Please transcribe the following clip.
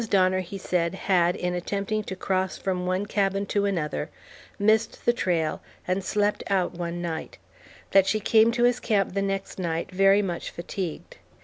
Donner, he said, had, in attempting to cross from one cabin to another, missed the trail and slept out one night; that she came to his camp the next night very much fatigued.